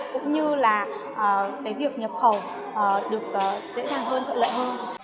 cũng như là cái việc nhập khẩu được dễ dàng hơn thợ lợi hơn